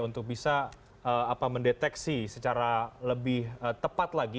untuk bisa mendeteksi secara lebih tepat lagi